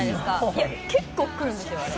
いや、結構くるんですよ、あれ。